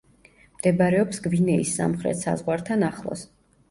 მდებარეობს გვინეის სამხრეთ საზღვართან ახლოს.